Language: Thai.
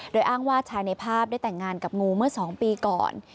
โดยอ้างว่าชายในภาพได้แต่งงานกับงูเมื่อ๒ปีก่อน